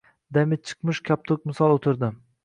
Dami chiqmish koptok misol o‘tirdi.